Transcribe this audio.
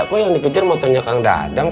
kok yang dikejar motornya kang dadang